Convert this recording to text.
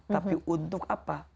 tapi untuk apa